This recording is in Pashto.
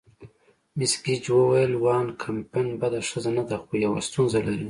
مس ګیج وویل: وان کمپن بده ښځه نه ده، خو یوه ستونزه لري.